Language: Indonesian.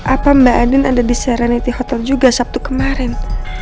apa mbak adin ada di siaranity hotel juga sabtu kemarin